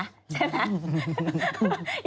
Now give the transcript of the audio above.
ใช่ไหม